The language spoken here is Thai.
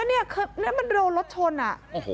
แล้วเนี่ยมันโดนรถชนอ่ะ